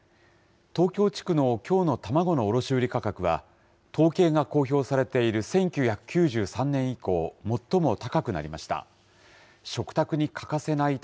東京地区のきょうの卵の卸売価格は、統計が公表されている１９９３年以降、最も高くなりました。